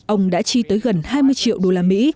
ông đã chi tới gần hai mươi triệu đô la mỹ